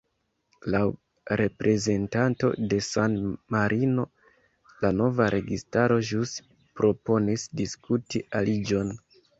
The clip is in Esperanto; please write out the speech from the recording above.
Laŭ reprezentanto de San-Marino, la nova registaro ĵus proponis diskuti aliĝon.